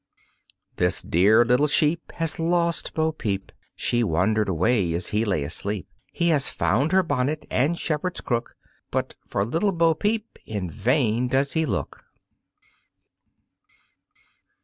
This dear little Sheep has lost Bo Peep, She wandered away as he lay asleep, He has found her bonnet and shepherd's crook, But for little Bo Peep in vain does he look.